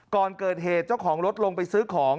ก่อนเกิดเหตุเจ้าของรถลงไปซื้อของ